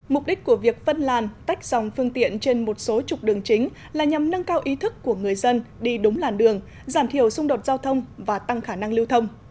mục đích của việc phân làn tách dòng phương tiện trên một số trục đường chính là nhằm nâng cao ý thức của người dân đi đúng làn đường giảm thiểu xung đột giao thông và tăng khả năng lưu thông